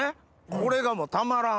これがもうたまらん。